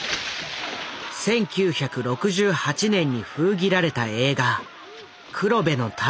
１９６８年に封切られた映画「黒部の太陽」。